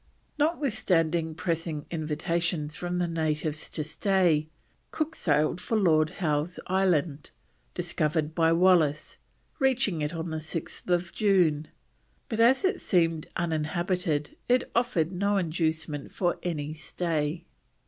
Notwithstanding pressing invitations from the natives to stay, Cook sailed for Lord Howe's Island, discovered by Wallis, reaching it on the 6th June, but as it seemed uninhabited it offered no inducement for any stay.